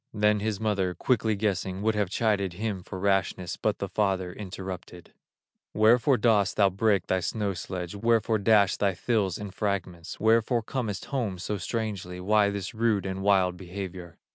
Then his mother, quickly guessing, Would have chided him for rashness, But the father interrupted: "Wherefore dost thou break thy snow sledge, Wherefore dash thy thills in fragments, Wherefore comest home so strangely, Why this rude and wild behavior?"